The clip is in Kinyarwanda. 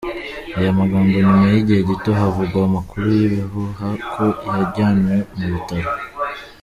aya magambo nyuma yigihe gito havugwa amakuru yibihuha ko yajyanwe mu bitaro.